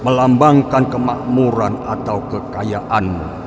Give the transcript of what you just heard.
melambangkan kemakmuran atau kekayaan